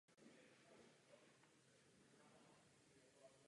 Pocházel z rodiny kováře.